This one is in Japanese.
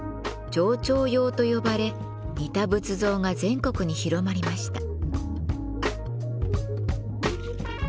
定朝様と呼ばれ似た仏像が全国に広まりました。